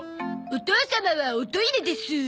お義父様はおトイレです。